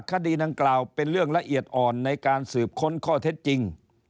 คดีดังกล่าวเป็นเรื่องละเอียดอ่อนในการสืบค้นข้อเท็จจริง